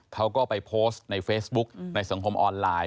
เขาก็ไปโพสต์ในเฟซบุ๊กในสังคมออนไลน์